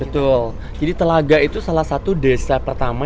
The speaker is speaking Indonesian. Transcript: betul jadi telaga itu salah satu desa pertama